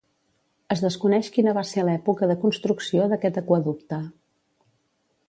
Es desconeix quina va ser l'època de construcció d'aquest aqüeducte.